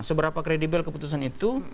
seberapa kredibel keputusan itu